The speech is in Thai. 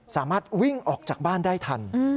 สามารถวิ่งออกจากบ้านได้ทัน